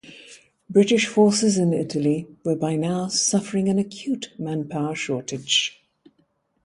British forces in Italy were by now suffering an acute manpower shortage.